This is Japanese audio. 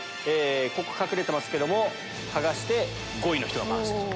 ここ隠れてますけども剥がして５位の人が回す。